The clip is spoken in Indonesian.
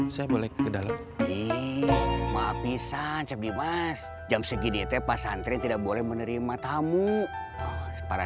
saya boleh ke dalam ih maafi sancap dimas jam segini tepa santri tidak boleh menerima tamu para